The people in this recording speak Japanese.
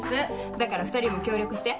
だから２人も協力して。